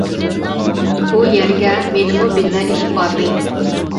ئۇ يەرگە مېنىمۇ بىللە ئېلىپ باردى.